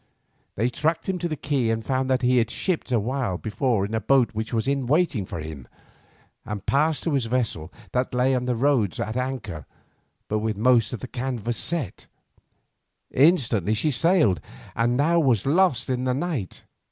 They tracked him to the quay and found that he had shipped a while before in a boat which was in waiting for him, and passed to his vessel that lay in the Roads at anchor but with the most of her canvas set. Instantly she sailed, and now was lost in the night.